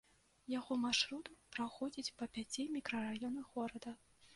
Яго маршрут праходзіць па пяці мікрараёнах горада.